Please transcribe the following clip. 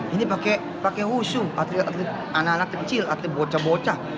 ini pakai wushu atlet atlet anak anak kecil atlet bocah bocah